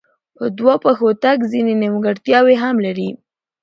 په دوو پښو تګ ځینې نیمګړتیاوې هم لري.